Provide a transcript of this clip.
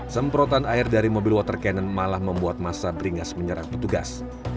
semprotan air dari mobil water cannon malah membuat masa beringas menyerang petugas